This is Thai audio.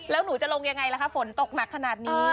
แล้วหนูจะลงยังไงล่ะคะฝนตกหนักขนาดนี้